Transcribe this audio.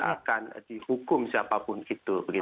akan dihukum siapapun itu